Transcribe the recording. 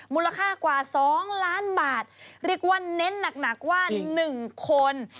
มูลค่ากว่า๒ล้านบาทเรียกว่าเน้นหนักว่า๑คน